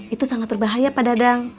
itu sangat berbahaya pak dadang